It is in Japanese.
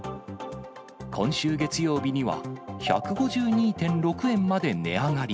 今週月曜日には１５２．６円まで値上がり。